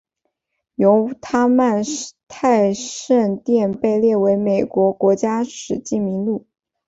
犹他曼泰圣殿被列入美国国家史迹名录。